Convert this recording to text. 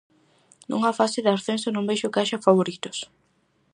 Nunha fase de ascenso non vexo que haxa favoritos.